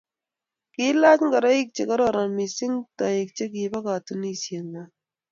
kiilach ngoroik che kororon mising toek chekiba katunisie ng'wany.